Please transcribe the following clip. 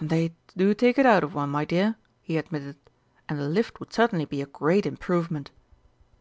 "They do take it out of one, my dear," he admitted. "And a lift would certainly be a great improvement."